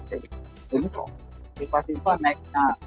jadi itu tiba tiba naiknya